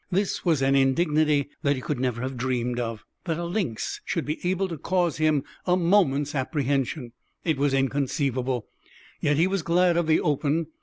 This was an indignity that he could never have dreamed of. That a lynx should be able to cause him a moment's apprehension! It was inconceivable. Yet he was glad of the open.